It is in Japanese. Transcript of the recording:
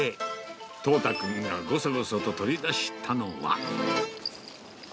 統太君がごそごそと取り出したのは。